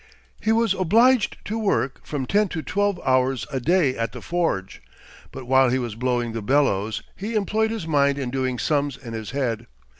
He was obliged to work from ten to twelve hours a day at the forge; but while he was blowing the bellows he employed his mind in doing sums in his head.